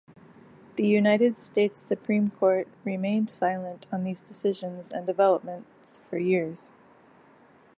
The United States Supreme Court remained silent on these decisions and developments for years.